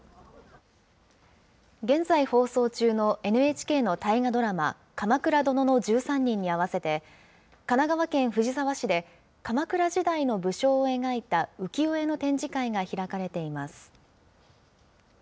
現在放送中のＮＨＫの大河ドラマ、鎌倉殿の１３人に合わせて、神奈川県藤沢市で、鎌倉時代の武将を描いた浮世絵の展示会が開かれています。